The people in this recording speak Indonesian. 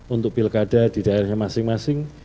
untuk pilkada di daerahnya masing masing